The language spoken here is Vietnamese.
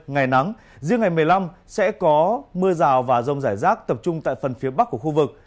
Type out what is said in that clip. ngày nắng riêng ngày một mươi năm sẽ có mưa rào và rông rải rác tập trung tại phần phía bắc của khu vực